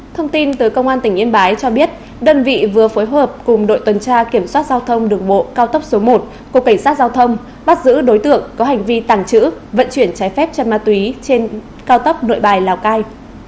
thông tin tới công an tỉnh yên bái cho biết đơn vị vừa phối hợp cùng đội tuần tra kiểm soát giao thông đường bộ cao tốc số một của cảnh sát giao thông bắt giữ đối tượng có hành vi tàng trữ vận chuyển trái phép chân ma túy trên cao tốc nội bài lào cai